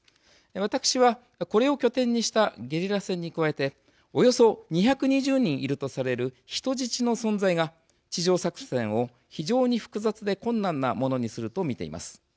私は、これを拠点にしたゲリラ戦に加えておよそ２２０人いるとされる人質の存在が地上作戦を非常に複雑で困難なものにすると見ています。